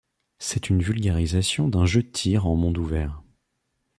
C'est une vulgarisation d'un jeu de tir en monde ouvert.